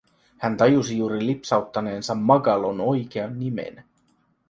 Hän tajusi juuri lipsauttaneensa Magalon oikean nimen.